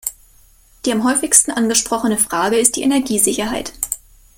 Die am häufigsten angesprochene Frage ist die Energiesicherheit.